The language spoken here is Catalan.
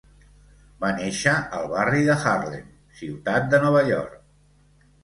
Va néixer al barri de Harlem, Ciutat de Nova York.